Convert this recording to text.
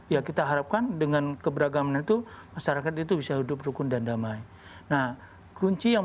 ya kita harapkan dengan keberagaman itu masyarakat itu bisa hidup rukun dan damai nah kunci yang